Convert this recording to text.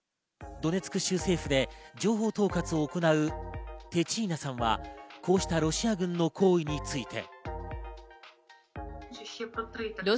ドネツク州政府で情報統括を行うテチャーナさんはこうしたロシア軍の行為について。